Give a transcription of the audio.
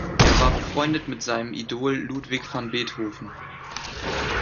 Er war befreundet mit seinem Idol Ludwig van Beethoven.